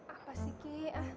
apa sih ki